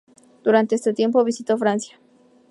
Durante ese tiempo visitó Francia.